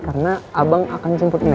karena abang akan jemput nek